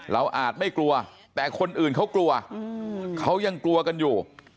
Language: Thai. อาจไม่กลัวแต่คนอื่นเขากลัวเขายังกลัวกันอยู่